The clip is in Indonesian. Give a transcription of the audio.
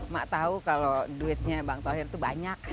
mak tahu kalau duitnya bang tohir itu banyak